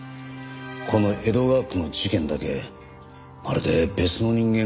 この江戸川区の事件だけまるで別の人間が犯行に。